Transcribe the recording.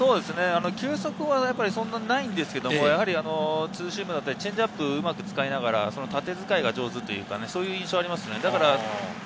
球速はそんなにないんですけれど、ツーシームだったり、チェンジアップをうまく使いながら縦使いが上手という印象があります。